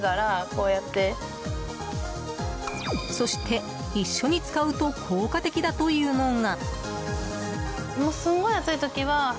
そして、一緒に使うと効果的だというのが。